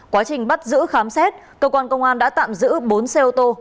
quá trình bắt giữ khám xét cơ quan công an đã tạm giữ bốn xe ô tô